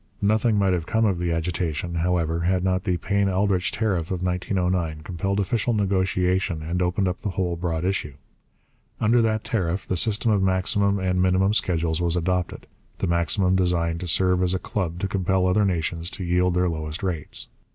Nothing might have come of the agitation, however, had not the Payne Aldrich tariff of 1909 compelled official negotiation and opened up the whole broad issue. Under that tariff the system of maximum and minimum schedules was adopted, the maximum designed to serve as a club to compel other nations to yield their lowest rates.